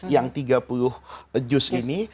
yang tiga puluh juz ini